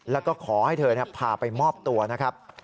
แล้วก็ขอให้เธอพาไปมอบตัวนะครับ